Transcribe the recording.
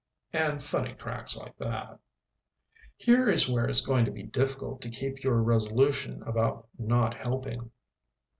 And funny cracks like that. Here is where it is going to be difficult to keep to your resolution about not helping.